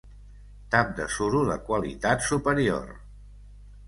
Tap de suro de qualitat superior.